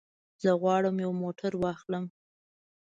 زه غواړم یو موټر واخلم.